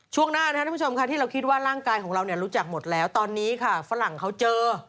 ช่วงหน้านะครับท่านผู้ชมค่ะที่เราคิดว่าร่างกายของเราเนี่ยรู้จักหมดแล้วตอนนี้ค่ะฝรั่งเขาเจอ